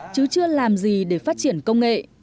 chứ chưa làm gì để phát triển công nghệ